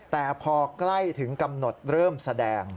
แต่พอใกล้ถึงกำหนดเริ่มแสดง